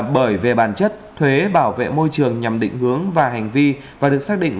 bởi về bản chất thuế bảo vệ môi trường nhằm định hướng và hành vi và được xác định